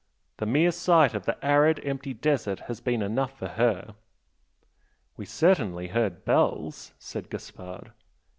The mere sight of the arid empty desert has been enough for her." "We certainly heard bells" said Gaspard.